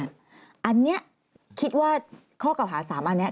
อันนี้คิดว่าข้อเก่าหา๓อันนี้